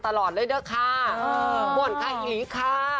จากฝรั่ง